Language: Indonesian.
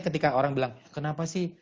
ketika orang bilang kenapa sih